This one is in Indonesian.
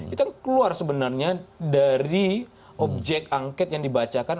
itu yang keluar sebenarnya dari objek angket yang dibacakan